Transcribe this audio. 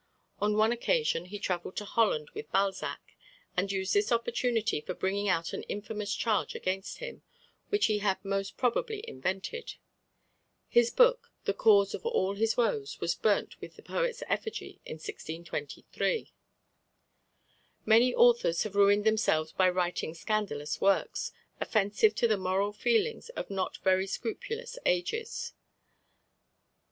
On one occasion he travelled to Holland with Balzac, and used this opportunity for bringing out an infamous charge against him, which he had most probably invented. His book, the cause of all his woes, was burnt with the poet's effigy in 1623. Many authors have ruined themselves by writing scandalous works, offensive to the moral feelings of not very scrupulous ages.